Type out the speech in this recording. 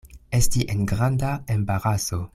Esti en granda embaraso.